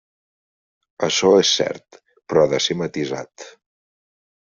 Açò és cert, però ha de ser matisat.